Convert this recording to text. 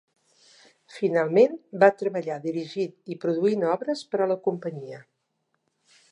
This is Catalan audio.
Finalment, va treballar dirigint i produint obres per a la companyia.